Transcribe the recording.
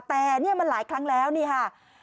แต่เนี่ยมันหลายครั้งแล้วนี่ค่ะ